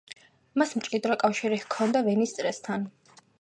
მას მჭიდრო კავშირი ჰქონდა ვენის წრესთან.